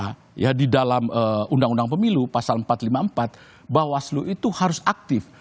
karena di dalam undang undang pemilu pasal empat ratus lima puluh empat bawaslu itu harus aktif